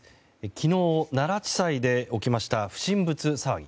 昨日、奈良地裁で起きました不審物騒ぎ。